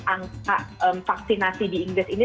angka vaksinasi di inggris ini